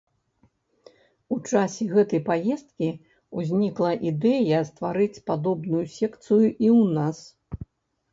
У часе гэтай паездкі ўзнікла ідэя стварыць падобную секцыю і ў нас.